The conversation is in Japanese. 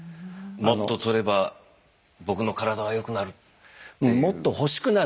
もっととれば僕の体は良くなるっていう。